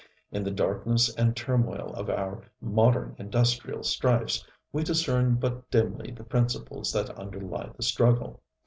In the darkness and turmoil of our modern industrial strifes we discern but dimly the principles that underlie the struggle.